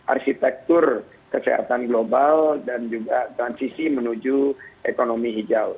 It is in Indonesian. arsitektur kesehatan global dan juga transisi menuju ekonomi hijau